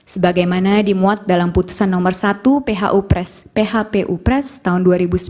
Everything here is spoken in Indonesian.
sebagaimana dimuat dalam putusan nomor satu phpu pres tahun dua ribu sembilan belas